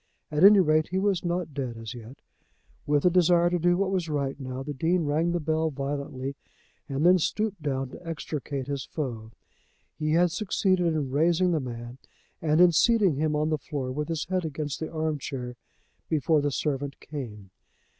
At any rate, he was not dead as yet. With a desire to do what was right now, the Dean rang the bell violently, and then stooped down to extricate his foe. He had succeeded in raising the man and in seating him on the floor with his head against the arm chair before the servant came.